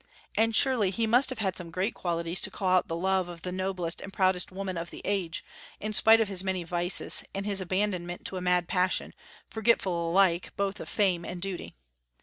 And surely he must have had some great qualities to call out the love of the noblest and proudest woman of the age, in spite of his many vices and his abandonment to a mad passion, forgetful alike both of fame and duty.